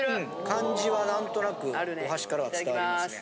感じは何となくお箸からは伝わりますね。